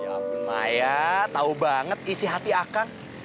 ya ampun maya tau banget isi hati akang